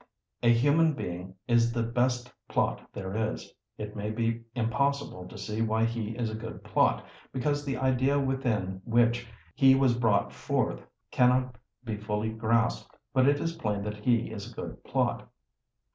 A human being is the best plot there is; it may be impossible to see why he is a good plot, because the idea within which he was brought forth cannot be fully grasped; but it is plain that he is a good plot.